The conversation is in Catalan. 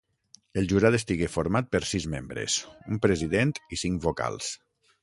El jurat estigué format per sis membres: un president i cinc vocals.